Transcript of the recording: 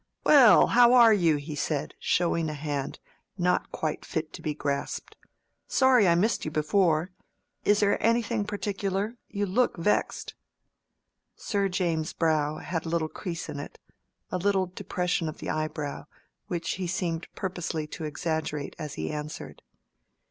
"Well, how are you?" he said, showing a hand not quite fit to be grasped. "Sorry I missed you before. Is there anything particular? You look vexed." Sir James's brow had a little crease in it, a little depression of the eyebrow, which he seemed purposely to exaggerate as he answered.